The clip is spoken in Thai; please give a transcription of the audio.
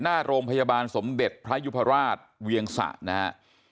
หน้าโรงพยาบาลสมเด็จพระยุพราชเวียงสะนะฮะ